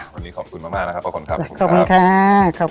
วันนี้ขอบคุณมากนะครับพระคมครับ